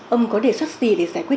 ông có đề xuất gì để giải quyết